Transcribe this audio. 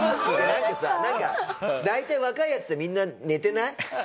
なんかさ大体若いヤツってみんな寝てない？